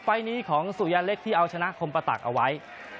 ไฟล์นี้ของสุยาเล็กที่เอาชนะคมปะตักเอาไว้